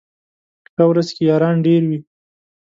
ښه ورځ کي ياران ډېر وي